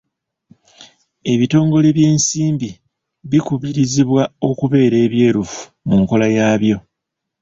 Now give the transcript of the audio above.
Ebitongole by'ensimbi bikubirizibwa okubeera ebyerufu mu nkola yaabyo.